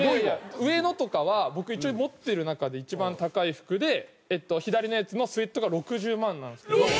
上のとかは僕一応持ってる中で一番高い服で左のやつのスウェットが６０万なんですけど。